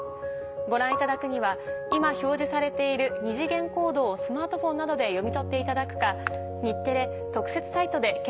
ご覧いただくには今表示されている二次元コードをスマートフォンなどで読み取っていただくか。